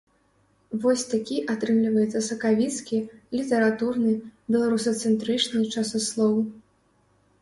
Вось такі атрымліваецца сакавіцкі літаратурны беларусацэнтрычны часаслоў.